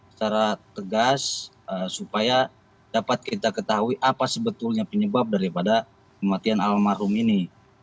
secara tegas supaya dapat kita ketahui apa sebetulnya penyebab daripada kematian almarhum ini